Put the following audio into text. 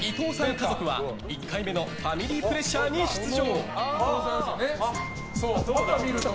家族は、１回目のファミリープレッシャーに出場。